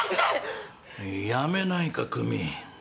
やめないか久美。